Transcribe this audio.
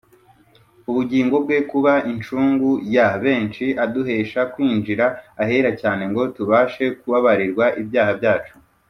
ubugingo bwe kuba incungu ya benshi aduhesha kwinjira ahera cyane ngo tubashe kubabarirwa ibyaha byacu.